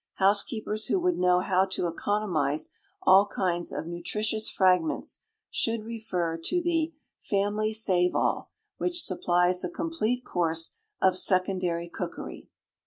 Housekeepers who would know how to economise all kinds of nutritious fragments, should refer to the "Family Save all," which supplies a complete course of "Secondary Cookery."